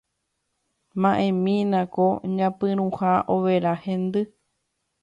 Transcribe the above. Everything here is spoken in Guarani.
ma'ẽmína ko ñapyrũha overa hendy.